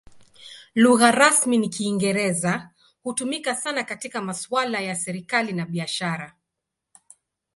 Lugha rasmi ni Kiingereza; hutumika sana katika masuala ya serikali na biashara.